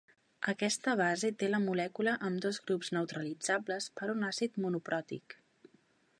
Aquesta base té la molècula amb dos grups neutralitzables per un àcid monopròtic.